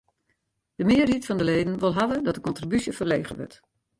De mearheid fan de leden wol hawwe dat de kontribúsje ferlege wurdt.